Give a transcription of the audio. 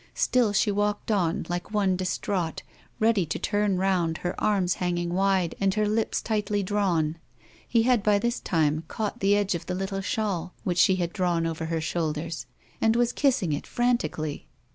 Still she walked on, like one distraught, ready to turn round, her arms hanging wide and her lips tightly drawn. He had by this time caught the edge of the little shawl which she had drawn over her shoulders, and was kissing it frantically.